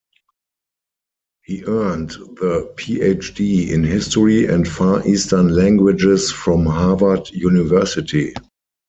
He earned the Ph.D. in history and Far Eastern languages from Harvard University.